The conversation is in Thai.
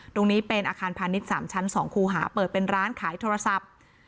ตรงนี้เป็นอาคารพาณิชย์๓ชั้น๒คู่หาเปิดเป็นร้านขายโทรศัพท์